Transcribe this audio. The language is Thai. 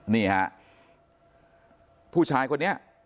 นี่ฮะผู้ชายคนนี้